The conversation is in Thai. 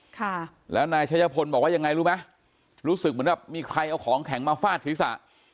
ค่ะแล้วนายชัยพลบอกว่ายังไงรู้ไหมรู้สึกเหมือนแบบมีใครเอาของแข็งมาฟาดศีรษะ